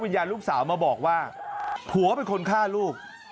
ยานลูกสาวมาบอกว่าผัวเป็นคนฆ่าลูก